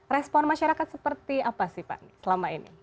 respon masyarakat seperti apa sih pak selama ini